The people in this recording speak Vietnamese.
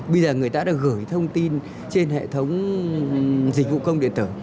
bây giờ người ta đã gửi thông tin trên hệ thống dịch vụ công điện tử